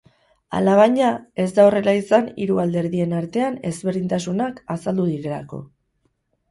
Alabaina, ez da horrela izan, hiru alderdien artean ezberdintasunak azaldu direlako.